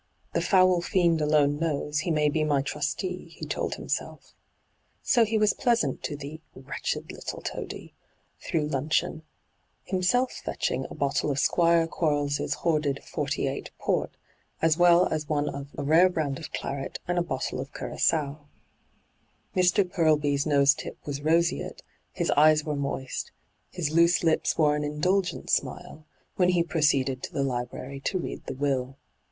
' The foul fiend alone knows, he may be my trustee,* he told himself. So he was pleasant to the ' wretched little toady ' through luncheon, himself fetching a bottle of Squire Quarles' hoarded '48 port, as well as one of a rare brand of claret and a bottle of curagoa. Mr. Purlby's nose tip was roseate, his eyes were moist, his loose lips wore an indulgent smile, when he proceeded to the Ubrary to read the will.